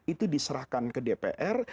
itu diserahkan ke dpr